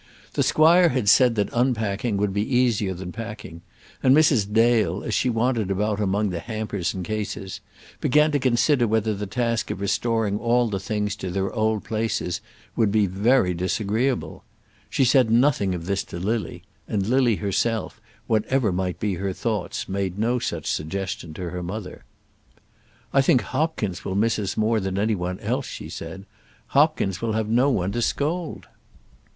The squire had said that unpacking would be easier than packing, and Mrs. Dale, as she wandered about among the hampers and cases, began to consider whether the task of restoring all the things to their old places would be very disagreeable. She said nothing of this to Lily, and Lily herself, whatever might be her thoughts, made no such suggestion to her mother. "I think Hopkins will miss us more than any one else," she said. "Hopkins will have no one to scold."